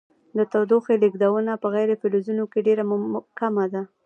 د تودوخې لیږدونه په غیر فلزونو کې ډیره کمه ده.